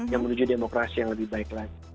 yang menuju demokrasi yang lebih baik lagi